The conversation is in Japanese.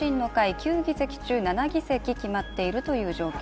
９議席中７議席が決まっている状況。